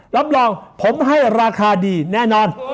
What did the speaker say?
รับรองผมให้ราคาดีแน่นอน